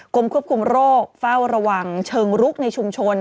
ควบคุมโรคเฝ้าระวังเชิงรุกในชุมชน